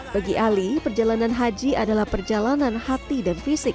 bagi ali perjalanan haji adalah perjalanan hati dan fisik